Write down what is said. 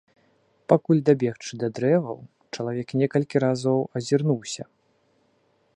Пакуль дабегчы да дрэваў, чалавек некалькі разоў азірнуўся.